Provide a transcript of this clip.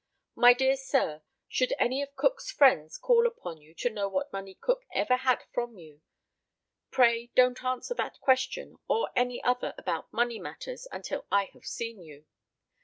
"My dear Sir, Should any of Cook's friends call upon you to know what money Cook ever had from you, pray don't answer that question or any other about money matters until I have seen you.